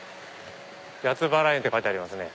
「谷津バラ園」って書いてありますね。